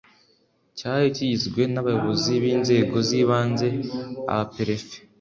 cyari kigizwe n abayobozi b inzego z ibanze abaperefe